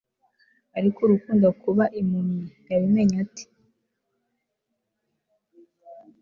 ariko urukundo kuba impumyi, yabimenya ate